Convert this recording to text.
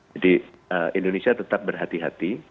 jadi indonesia tetap berhati hati